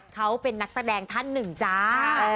เขาเป็นนักแสดงท่านหนึ่งจ้า